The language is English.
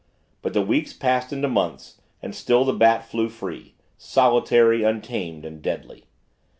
But the weeks passed into months and still the Bat flew free, solitary, untamed, and deadly.